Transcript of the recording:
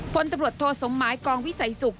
พลตำรวจโทสมไม้กองวิสัยศุกร์